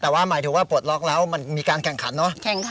แต่ว่าหมายถึงว่าปลดล็อกแล้วมันมีการแข่งขันเนอะ